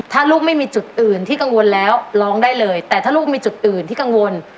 ถ้าลูกไม่มีจุดอื่นที่กังวลแล้วร้องได้เลยแต่ถ้าลูกมีจุดอื่นที่กังวล